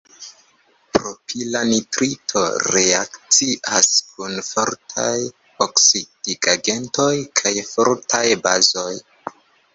Propila nitrito reakcias kun fortaj oksidigagentoj kaj fortaj bazoj.